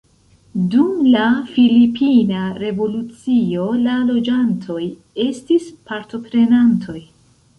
Dum la filipina revolucio la loĝantoj estis partoprenantoj.